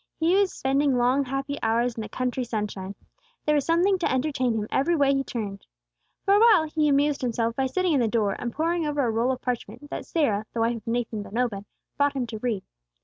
He was spending long happy hours in the country sunshine. There was something to entertain him, every way he turned. For a while he amused himself by sitting in the door and poring over a roll of parchment that Sarah, the wife of Nathan ben Obed, brought him to read.